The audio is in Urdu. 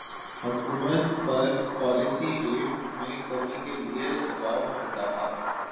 حکومت پر پالیسی ریٹ میں کمی کے لیے دبائو میں اضافہ